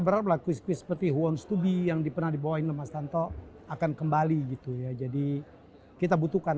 beratlah krisis petiwon studi yang diperoleh mas tanto akan kembali gitu ya jadi kita butuhkan